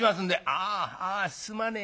「ああすまねえな。